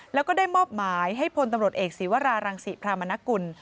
แล้วก็ได้มอบหมายให้พลตำรวจเอกศีวรารังศิพรามนกุล